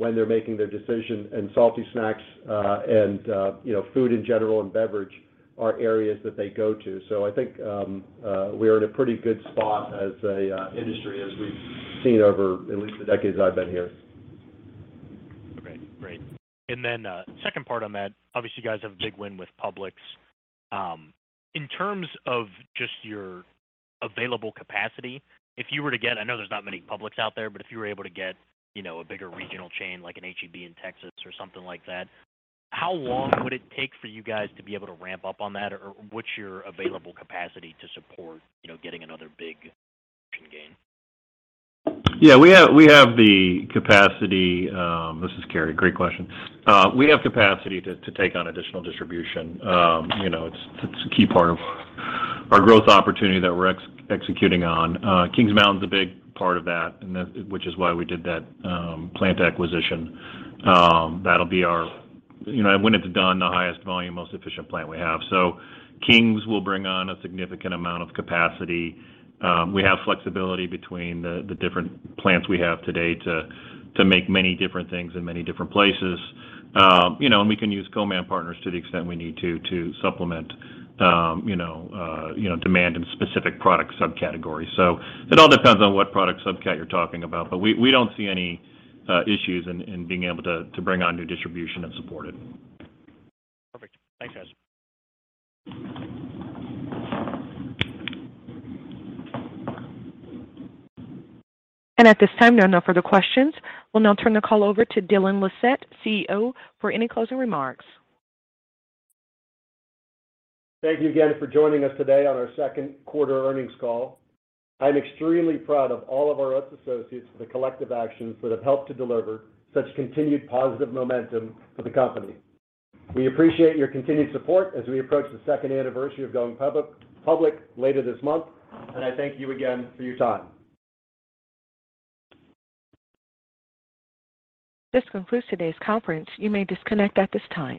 when they're making their decision. Salty snacks, you know, food in general and beverage are areas that they go to. I think we're in a pretty good spot as an industry, as we've seen over at least the decades I've been here. Okay, great. Second part on that, obviously, you guys have a big win with Publix. In terms of just your available capacity, if you were to get, I know there's not many Publix out there, but if you were able to get, you know, a bigger regional chain like an H-E-B in Texas or something like that, how long would it take for you guys to be able to ramp up on that? What's your available capacity to support, you know, getting another big gain? This is Cary. Great question. We have the capacity to take on additional distribution. You know, it's a key part of our growth opportunity that we're executing on. King's Mountain is a big part of that, which is why we did that plant acquisition. That'll be our, you know, when it's done, the highest volume, most efficient plant we have. Kings will bring on a significant amount of capacity. We have flexibility between the different plants we have today to make many different things in many different places. You know, and we can use co-man partners to the extent we need to supplement demand in specific product subcategories. It all depends on what product subcat you're talking about. We don't see any issues in being able to bring on new distribution and support it. Perfect. Thanks, guys. At this time, there are no further questions. We'll now turn the call over to Dylan Lissette, CEO, for any closing remarks. Thank you again for joining us today on our Q2 earnings call. I'm extremely proud of all of our Utz associates for the collective actions that have helped to deliver such continued positive momentum for the company. We appreciate your continued support as we approach the second anniversary of going public later this month. I thank you again for your time. This concludes today's conference. You may disconnect at this time.